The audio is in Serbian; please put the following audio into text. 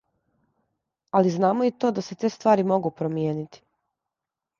Али знамо и то да се те ствари могу промијенити.